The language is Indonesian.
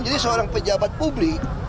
jadi seorang pejabat publik